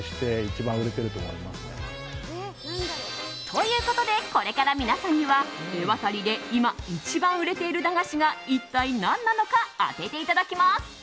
ということでこれから皆さんにはエワタリで今一番売れている駄菓子が一体何なのか当てていただきます。